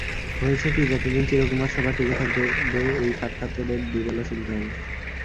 হয়েছে কী– যতদিন চিরকুমার-সভা টিকে থাকবে এই ঠাট্টা তোদের দু-বেলা শুনতে হবে।